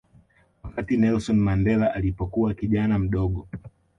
Wakati Nelson Mandela alipokuwa kijana mdogo